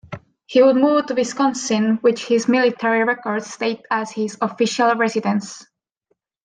He would move to Wisconsin, which his military records state as his official residence.